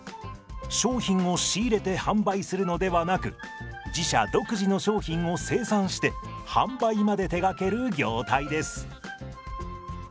商品を仕入れて販売するのではなく自社独自の商品を生産して販売まで手がける業態です。